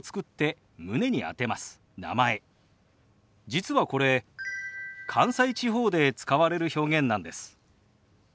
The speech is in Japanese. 実はこれ関西地方で使われる表現なんです。